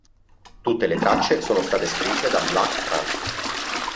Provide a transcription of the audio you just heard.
Tutte le tracce sono state scritte da Black Francis.